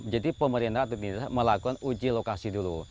jadi pemerintah atau dinas melakukan uji lokasi dulu